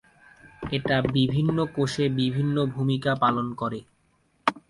এটি বিভিন্ন কোষে বিভিন্ন ভূমিকা পালন করে।